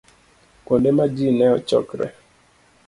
Kuonde ma ji ne chokoree